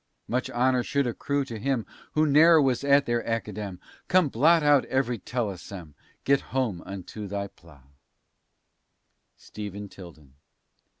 Much honor should accrue to him Who ne'er was at their Academ Come blot out every telesem; Get home unto thy plow. STEPHEN TILDEN.